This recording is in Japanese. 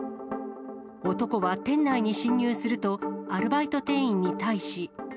男は店内に侵入すると、アルバイト店員に対し。